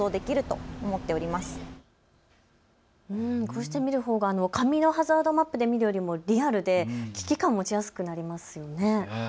こうして見るほうが紙のハザードマップで見るよりもリアルで、危機感を持ちやすくなりますよね。